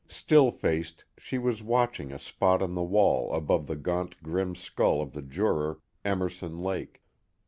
Still faced, she was watching a spot on the wall above the gaunt grim skull of the juror Emerson Lake.